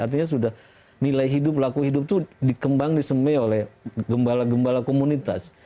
artinya sudah nilai hidup laku hidup itu dikembang diseme oleh gembala gembala komunitas